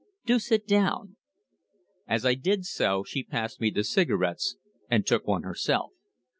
Do sit down." As I did so she passed me the cigarettes, and took one herself.